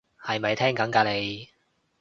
係咪聽緊㗎你？